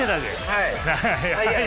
はい。